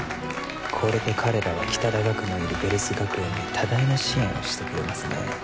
これで彼らは北田岳のいるヴェルス学園に多大な支援をしてくれますね